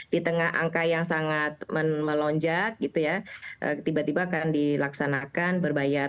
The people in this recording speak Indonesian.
di tengah angka yang sangat melonjak gitu ya tiba tiba akan dilaksanakan berbayar